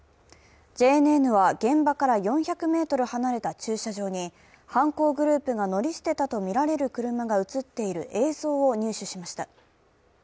ＪＮＮは現場から４００ｍ離れた駐車場に犯行グループが乗り捨てたとみられる車が映っている映像を入手しました。